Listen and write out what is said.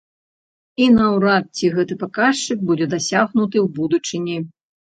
І наўрад ці гэты паказчык будзе дасягнуты ў будучыні.